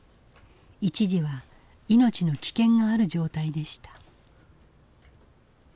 一時は命の危険がある状態でした。